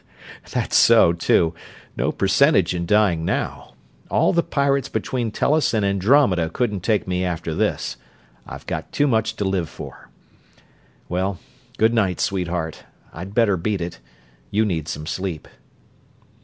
"That's so, too no percentage in dying now. All the pirates between Tellus and Andromeda couldn't take me after this I've got too much to live for. Well, good night, sweetheart, I'd better beat it you need some sleep."